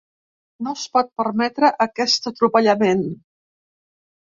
No es pot permetre aquest atropellament.